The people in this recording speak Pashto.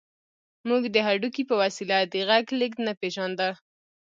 موږ د هډوکي په وسیله د غږ لېږد نه پېژانده